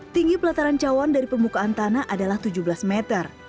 tinggi pelataran cawan dari permukaan tanah adalah tujuh belas meter